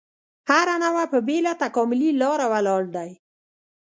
هره نوعه په بېله تکاملي لاره ولاړ دی.